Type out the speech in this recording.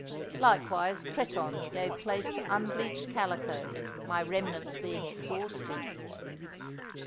Likewise, cretonne gave place to unbleached calico, my remnants being exhausted.